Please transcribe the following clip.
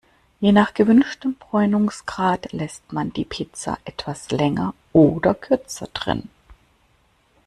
Je nach gewünschtem Bräunungsgrad lässt man die Pizza etwas länger oder kürzer drin.